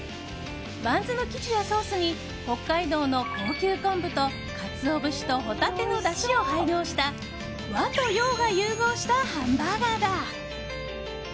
バンズの生地やソースに北海道の高級昆布とカツオ節とホタテのだしを配合した和と洋が融合したハンバーガーだ。